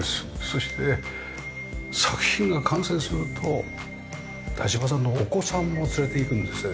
そして作品が完成すると田島さんのお子さんも連れていくんですね。